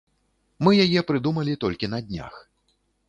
Мы яе прыдумалі толькі на днях.